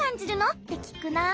ってきくなあ。